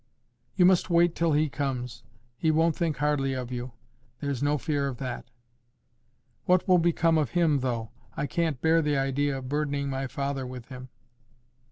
"You must wait till he comes. He won't think hardly of you. There's no fear of that." "What will become of him, though? I can't bear the idea of burdening my father with him."